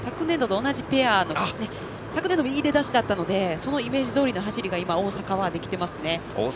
この２人は昨年度もいい出だしだったのでそのイメージどおりの走りが今、大阪はできています。